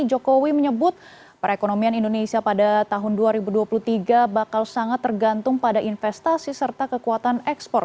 jokowi menyebut perekonomian indonesia pada tahun dua ribu dua puluh tiga bakal sangat tergantung pada investasi serta kekuatan ekspor